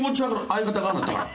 相方がああなったから。